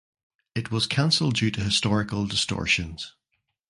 It was canceled due to historical distortions.